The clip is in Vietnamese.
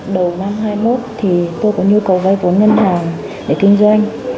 đầu năm hai nghìn hai mươi một thì tôi có nhu cầu vay vốn ngân hàng để kinh doanh